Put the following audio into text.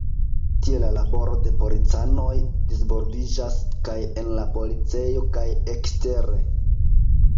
Tiel la laboro de policanoj disvolviĝas kaj en la policejo kaj ekstere.